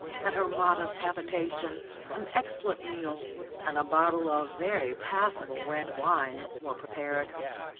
At her modest habitation an excellent meal and a bottle of very passable red wine were prepared.